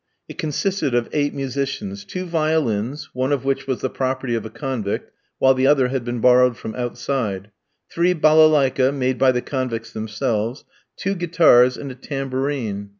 It consisted of eight musicians: two violins, one of which was the property of a convict, while the other had been borrowed from outside; three balalaiki, made by the convicts themselves; two guitars, and a tambourine.